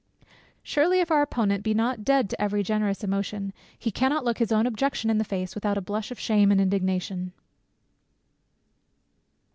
Surely, if our Opponent be not dead to every generous emotion, he cannot look his own objection in the face, without a blush of shame and indignation.